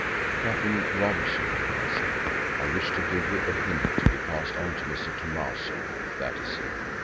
"Captain Robertson," I said, "I wish to give you a hint to be passed on to Mr. Thomaso, if that is he.